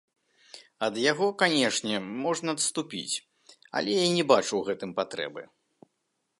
Ад яго, канешне, можна адступіць, але я не бачу ў гэтым патрэбы.